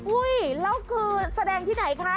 แล้วคือแสดงที่ไหนคะ